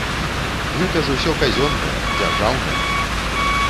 Гэта ж усё казённае, дзяржаўнае!